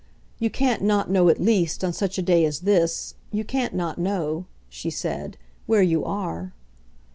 You can't not know at least, on such a day as this you can't not know," she said, "where you are."